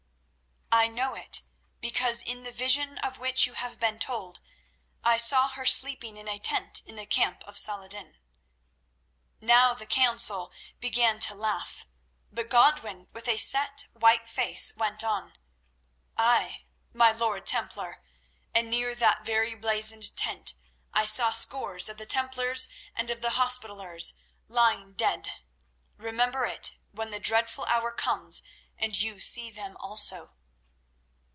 "I know it because in the vision of which you have been told I saw her sleeping in a tent in the camp of Saladin." Now the council began to laugh, but Godwin, with a set, white face, went on: "Ay, my lord Templar, and near that very blazoned tent I saw scores of the Templars and of the Hospitallers lying dead. Remember it when the dreadful hour comes and you see them also."